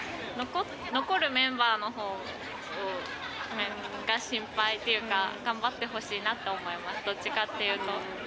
残るメンバーのほうが心配っていうか、頑張ってほしいなと思います、どっちかっていうと。